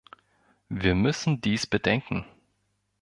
Wir müssen dies bedenken.